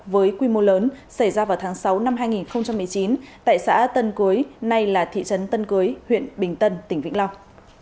với quy mô lớn xảy ra vào tháng sáu năm hai nghìn một mươi chín tại xã tân quế nay là thị trấn tân cưới huyện bình tân tỉnh vĩnh long